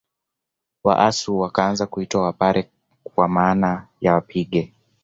Waasu wakaanza kuitwa Wapare kwa maana ya wapige